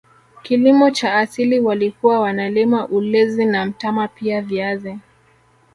Kilimo cha asili walikuwa wanalima ulezi na mtama pia viazi